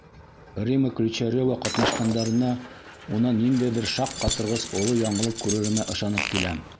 Рима Ключарева ҡатнашҡандарына унан ниндәйҙер шаҡ ҡатырғыс оло яңылыҡ күреремә ышанып киләм.